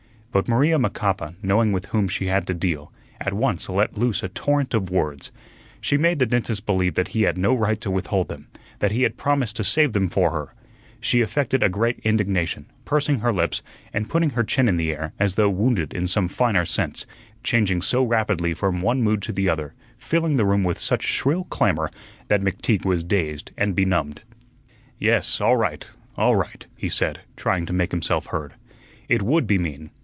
But Maria Macapa, knowing with whom she had to deal, at once let loose a torrent of words. She made the dentist believe that he had no right to withhold them, that he had promised to save them for her. She affected a great indignation, pursing her lips and putting her chin in the air as though wounded in some finer sense, changing so rapidly from one mood to another, filling the room with such shrill clamor, that McTeague was dazed and benumbed. "Yes, all right, all right," he said, trying to make himself heard. "It WOULD be mean.